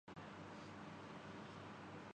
processors کے لئے nanometre technology استعمال ہوتی ہے